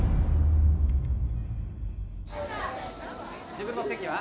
自分の席は？